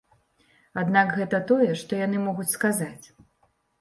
Аднак гэта тое, што яны могуць сказаць.